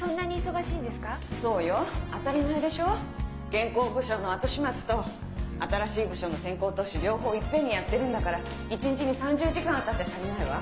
現行部署の後始末と新しい部署の先行投資両方いっぺんにやってるんだから一日に３０時間あったって足りないわ。